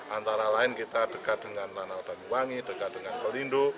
antara lain kita dekat dengan tanjung wangi dekat dengan kelindo